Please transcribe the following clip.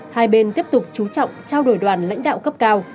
hai bên tiếp tục chú trọng trao đổi đoàn lãnh đạo cấp cao